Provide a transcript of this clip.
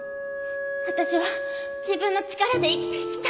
私は自分の力で生きていきたいの！